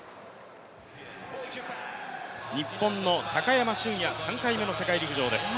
日本の高山峻野、３回目の世界陸上です。